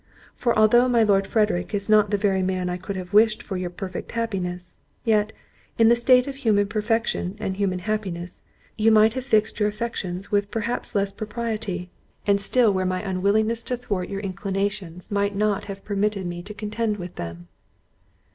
For, although my Lord Frederick is not the very man I could have wished for your perfect happiness; yet, in the state of human perfection and human happiness, you might have fixed your affections with perhaps less propriety; and still, where my unwillingness to thwart your inclinations might not have permitted me to contend with them."